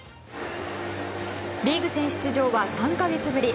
リーグ戦出場は３か月ぶり。